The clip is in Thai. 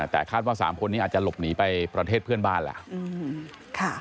แต่คาดว่า๓คนนี้อาจจะหลบหนีไปประเทศเพื่อนบ้านแล้ว